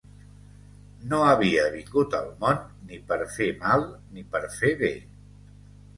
No havia vingut al món ni per fer mal ni per fer bé.